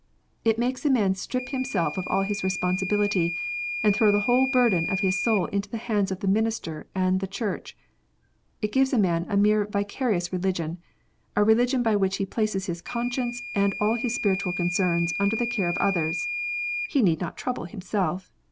It makes a man strip liim self of all his responsibility, and throw the whole burden of his soul into the hands of the minister and the Church. It gives a man a mere vicarious religion, a religion by which he places his conscience and all his spiritual concerns under the care of others. He need not trouble himself